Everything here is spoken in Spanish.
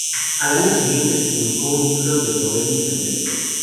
Al año siguiente se publicó un libro de proverbios en verso.